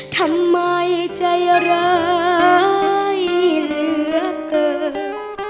ทำไมใจร้ายเหลือเกิน